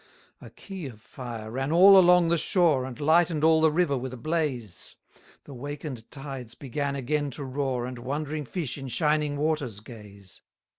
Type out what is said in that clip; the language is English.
231 A quay of fire ran all along the shore, And lighten'd all the river with a blaze: The waken'd tides began again to roar, And wondering fish in shining waters gaze.